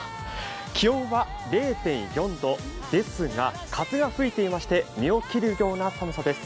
気温は０．４度ですが、風が吹いていまして身を切るような寒さです。